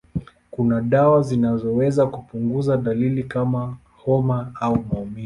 Kuna dawa zinazoweza kupunguza dalili kama homa au maumivu.